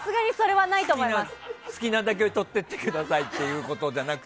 好きなだけ、とっていってくださいってことじゃなくて？